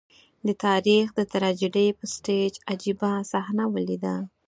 د تاریخ د ټراجېډي پر سټېج عجيبه صحنه ولیده.